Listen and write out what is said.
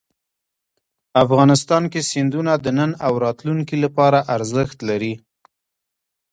افغانستان کې سیندونه د نن او راتلونکي لپاره ارزښت لري.